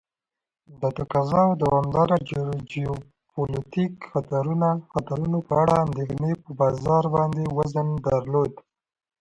د تقاضا او دوامداره جیوپولیتیک خطرونو په اړه اندیښنې په بازار باندې وزن درلود.